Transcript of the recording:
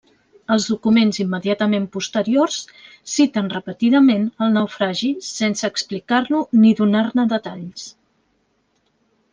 Els documents immediatament posteriors citen repetidament el naufragi sense explicar-lo ni donar-ne detalls.